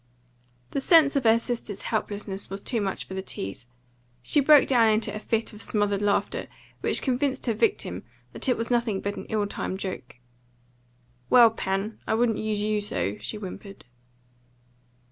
The sense of her sister's helplessness was too much for the tease; she broke down in a fit of smothered laughter, which convinced her victim that it was nothing but an ill timed joke. "Well, Pen, I wouldn't use you so," she whimpered.